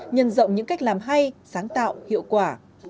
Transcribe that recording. nhân rộng những cách làm hay sáng tạo hiệu quả